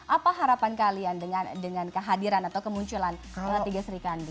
apa harapan kalian dengan kehadiran atau kemunculan tiga serikandi